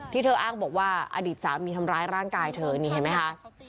เธออ้างบอกว่าอดีตสามีทำร้ายร่างกายเธอนี่เห็นไหมคะ